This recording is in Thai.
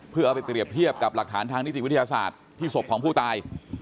เพื่อเอาไปเปรียบเทียบกับหลักฐานทางนิติวิทยาศาสตร์ที่ศพของผู้ตาย